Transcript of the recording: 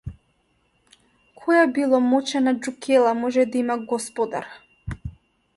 Која било мочана џукела може да има господар.